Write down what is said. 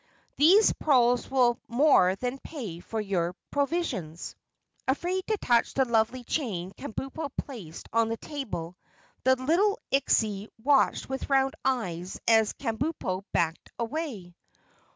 "These pearls will more than pay for your provisions." Afraid to touch the lovely chain Kabumpo placed on the table, the little Ixey watched with round eyes as Kabumpo backed away.